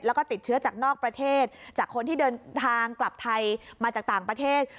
แล้วก็ติดเชื้อจากนอกประเทศจากคนที่เดินทางกลับไทยมาจากต่างประเทศ